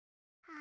あ。